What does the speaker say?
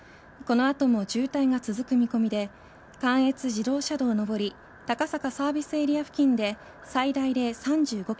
この後も渋滞が続く見込みで関越自動車道上り高坂サービスエリア付近で最大で